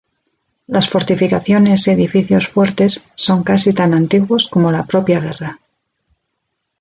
Las fortificaciones y edificios fuertes son casi tan antiguos como la propia guerra.